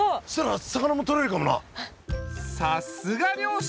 さすが漁師。